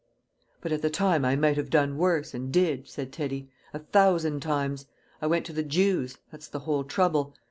"But at the time I might have done worse, and did," said Teddy, "a thousand times! I went to the Jews. That's the whole trouble.